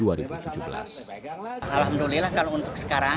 alhamdulillah kalau untuk sekarang